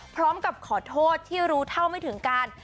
พร้อมกับขอโทษที่รู้เท่าไม่ถึงการ